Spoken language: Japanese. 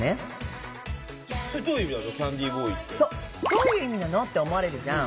「どういう意味なの？」って思われるじゃん。